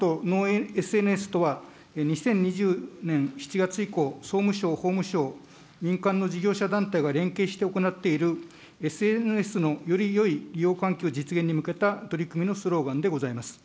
ＮｏｈｅａｒｔＮｏＳＮＳとは、２０２０年７月以降、総務省、法務省、民間の事業者団体が連携して行っている、ＳＮＳのよりよい利用環境実現に向けた取り組みのスローガンでございます。